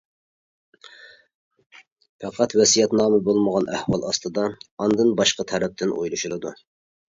پەقەت ۋەسىيەتنامە بولمىغان ئەھۋال ئاستىدا ئاندىن باشقا تەرەپتىن ئويلىشىدۇ.